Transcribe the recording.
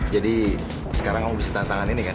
jadi sekarang kamu bisa tanda tangan ini kan